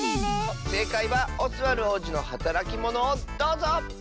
せいかいは「オスワルおうじのはたらきモノ」をどうぞ！